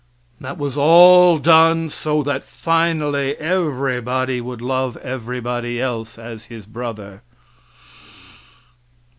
That was all done so that finally everybody would love everybody else as his brother.